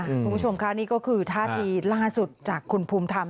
คุณผู้ชมค่ะนี่ก็คือท่าทีล่าสุดจากคุณภูมิธรรม